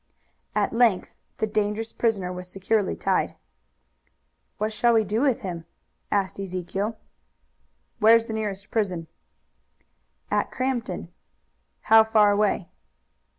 At length the dangerous prisoner was securely tied. "What shall we do with him?" asked Ezekiel. "Where's the nearest prison?" "At Crampton." "How far away?"